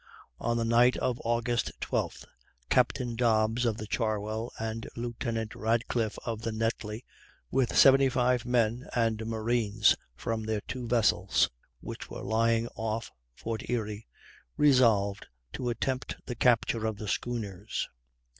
On the night of August 12th, Capt. Dobbs, of the Charwell, and Lieut. Radcliffe, of the Netly, with 75 seamen and marines from their two vessels, which were lying off Fort Erie, resolved to attempt the capture of the schooners.